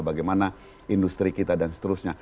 bagaimana industri kita dan seterusnya